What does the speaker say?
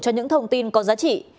cho những thông tin có giá trị